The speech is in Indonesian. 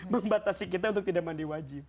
membatasi kita untuk tidak mandi wajib